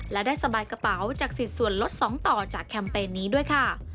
และได้สบายกระเป๋าจากสิทธิ์ส่วนลด๒ต่อจากแคมเปญนี้ด้วยค่ะ